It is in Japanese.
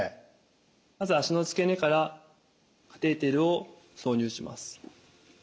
まず脚の付け根からカテーテルを挿入します。